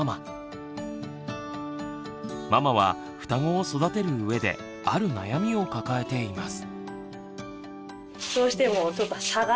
ママはふたごを育てるうえである悩みを抱えています。